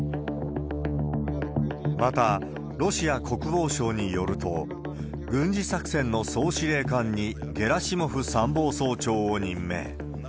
また、ロシア国防省によると、軍事作戦の総司令官にゲラシモフ参謀総長を任命。